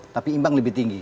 tapi imbang lebih tinggi